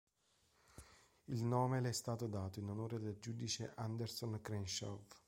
Il nome le è stato dato in onore del giudice Anderson Crenshaw.